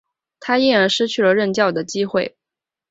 他因而失去了任教的机会。